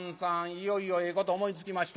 いよいよええこと思いつきました」。